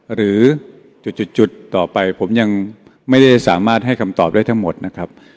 หรือจุดต่อไปผมยังไม่ได้สามารถให้คำตอบได้ทั้งหมดนะครับ